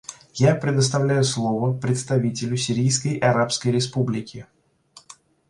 Я предоставляю слово представителю Сирийской Арабской Республики.